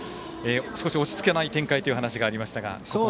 少し落ち着かない展開というお話ありましたが。